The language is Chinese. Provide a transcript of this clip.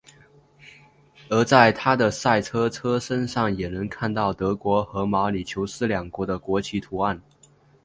而在他的赛车车身上也能看到德国和毛里求斯两国的国旗图案。